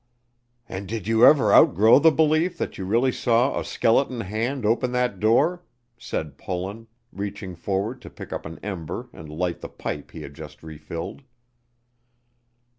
"And did you ever outgrow the belief that you really saw a skeleton hand open that door?" said Pullen, reaching forward to pick up an ember and light the pipe he had just refilled.